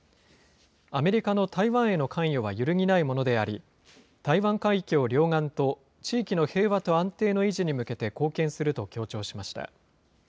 アメリカの台湾への関与は揺るぎないものであり、台湾海峡両岸と地域の平和と安定の維持に向けて貢献すると強調しました。